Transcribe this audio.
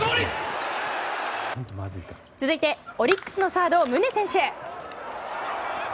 続いてオリックスのサード宗選手。